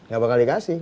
gak bakal dikasih